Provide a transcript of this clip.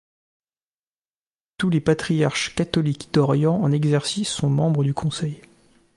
Tous les patriarches catholiques d'Orient en exercice sont membres du Conseil.